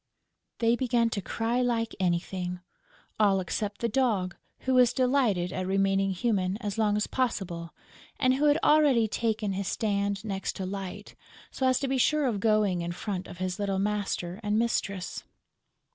They began to cry like anything, all except the Dog, who was delighted at remaining human as long as possible and who had already taken his stand next to Light, so as to be sure of going in front of his little master and mistress.